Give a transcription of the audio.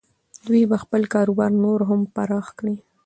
دوی به خپل کاروبار نور هم پراخ کړي.